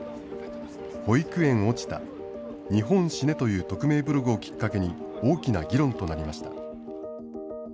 保育園落ちた、日本死ねという匿名ブログをきっかけに、大きな議論となりました。